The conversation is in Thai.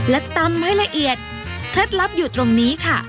และตำให้ละเอียดเคล็ดลับอยู่ตรงนี้ค่ะ